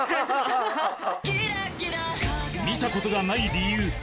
見たことがない理由